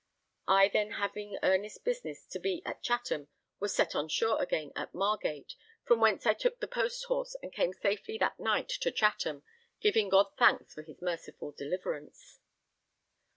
I then, having earnest business to be at Chatham, was set on shore at Margate, from whence I took post horse and came safely that night to Chatham, giving God thanks for his merciful deliverance.